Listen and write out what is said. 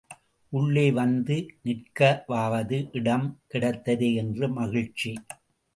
உள்ளே வந்து நிற்கவாவது இடம், கிடைத்ததே என்று மகிழ்ச்சி.